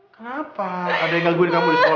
kenapa ada yang ngangguin kamu di sekolah